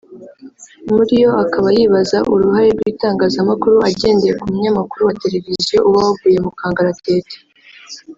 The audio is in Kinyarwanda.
muri yo akaba yibaza uruhare rw’itangazamakuru ajyendeye ku munyamakuru wa televiziyo uba waguye mukangaratete